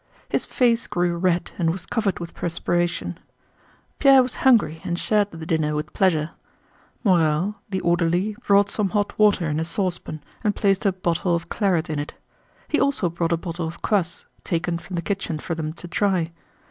His face grew red and was covered with perspiration. Pierre was hungry and shared the dinner with pleasure. Morel, the orderly, brought some hot water in a saucepan and placed a bottle of claret in it. He also brought a bottle of kvass, taken from the kitchen for them to try.